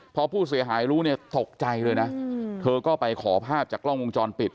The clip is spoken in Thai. พอผู้เสียหายรู้เนี่ยตกใจเลยนะเธอก็ไปขอภาพจากกล้องวงจรปิด